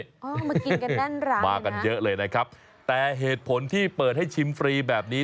มากินกันแน่นร้านมากันเยอะเลยนะครับแต่เหตุผลที่เปิดให้ชิมฟรีแบบนี้